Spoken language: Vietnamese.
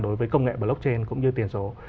đối với công nghệ blockchain cũng như tiền số